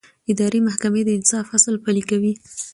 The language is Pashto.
اداري محکمې د انصاف اصل پلي کوي.